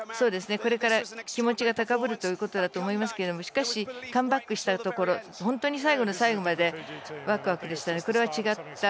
これから、気持ちが高ぶるということだと思いますがしかし、カムバックしたところ最後まで最後までワクワクでしたね。